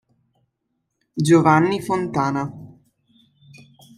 Giovanni Fontana